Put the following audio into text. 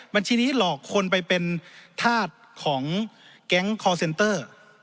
บัญชีนี้หลอกคนไปเป็นธาตุของแก๊งคอร์เซนเตอร์